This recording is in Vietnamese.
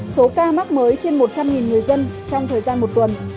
số ca mắc mới trên một trăm linh người dân trong thời gian một tuần